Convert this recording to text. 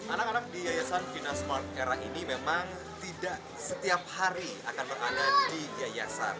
anak anak di yayasan vina smart era ini memang tidak setiap hari akan berada di yayasan